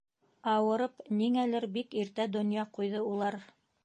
Ауырып, ниңәлер, бик иртә донъя ҡуйҙы улар.